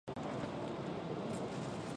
声がとても高い